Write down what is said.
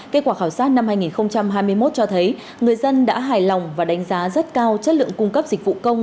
kết quả khảo sát năm hai nghìn hai mươi một cho thấy người dân đã hài lòng và đánh giá rất cao chất lượng cung cấp dịch vụ công